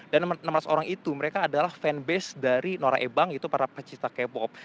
dan enam ratus orang itu mereka adalah fanbase dari norai bang itu para pecinta k pop